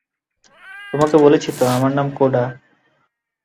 তোমাকে বলেছি তো, আমার নাম কোডা।